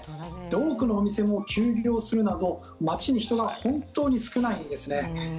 多くのお店も休業するなど街に人が本当に少ないんですね。